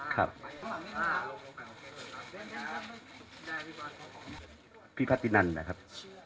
ครับพี่พระตินั่นนะครับ